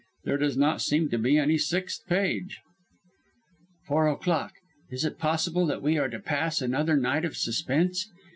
There does not seem to be any sixth page_.] "Four o'clock. Is it possible that we are to pass another night of suspense?